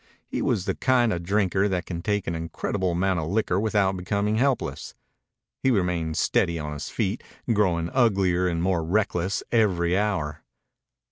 He was the kind of drinker that can take an incredible amount of liquor without becoming helpless. He remained steady on his feet, growing uglier and more reckless every hour.